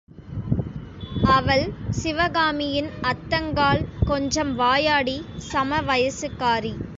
அவள் சிவகாமியின் அத்தங்காள் கொஞ்சம் வாயாடி சம வயசுக்காரி.